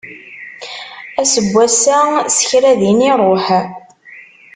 Ass n wass-a, s kra din iruḥ.